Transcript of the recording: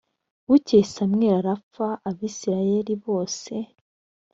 bukeye samweli arapfa abisirayeli bose